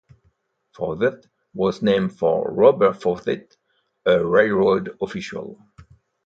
Forsyth was named for Robert Forsyth, a railroad official.